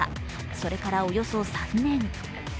それからおよそ３年。